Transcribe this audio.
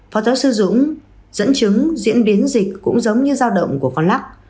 phó giáo sư dũng dẫn chứng diễn biến dịch cũng giống như giao động của con lắc